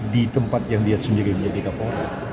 di tempat yang dia sendiri menjadi kapolda